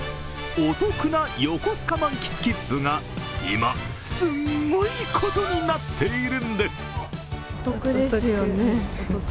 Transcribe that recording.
お得なよこすか満喫きっぷが今、すごいことになっているんです